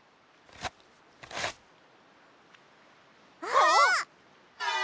あっ！